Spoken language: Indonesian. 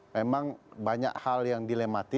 memang banyak hal yang dilematis